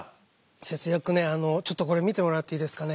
節約ねあのちょっとこれ見てもらっていいですかね？